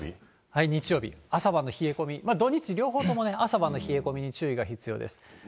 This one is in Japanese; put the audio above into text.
日曜日、朝晩の冷え込み、土日、両方とも朝晩の冷え込みに注意が必要です。